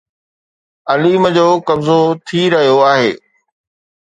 عليم جو قبضو ٿي رهيو آهي